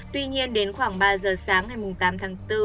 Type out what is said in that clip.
tuy nhiên đến khoảng ba giờ sáng ngày tám tháng bốn